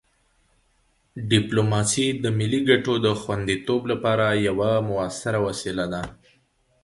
ډیپلوماسي د ملي ګټو د خوندیتوب لپاره یوه مؤثره وسیله ده.